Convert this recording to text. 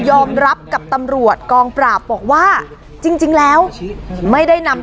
สลับผัดเปลี่ยนกันงมค้นหาต่อเนื่อง๑๐ชั่วโมงด้วยกัน